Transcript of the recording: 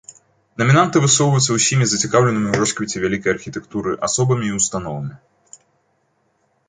Намінанты высоўваюцца ўсімі зацікаўленымі ў росквіце вялікай архітэктуры асобамі і ўстановамі.